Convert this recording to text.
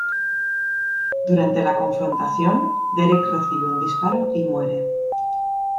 Durante la confrontación, Derek recibe un disparo y muere.